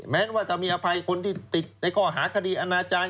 แม้ว่าจะมีอภัยคนที่ติดในข้อหาคดีอนาจารย์